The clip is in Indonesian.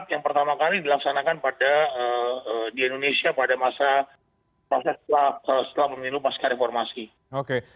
yang pertama kali dilaksanakan di indonesia pada masa proses setelah pemilu pasca reformasi